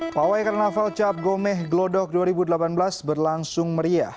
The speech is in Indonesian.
pawai karnaval cap gomeh glodok dua ribu delapan belas berlangsung meriah